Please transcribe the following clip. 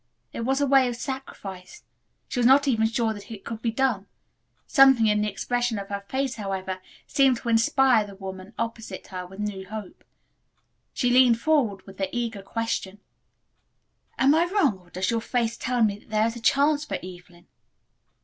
It was a way of sacrifice; she was not even sure that it could be done. Something in the expression of her face, however, seemed to inspire the woman opposite her with new hope. She leaned forward, with the eager question: "Am I wrong or does your face tell me that there is a chance for Evelyn?"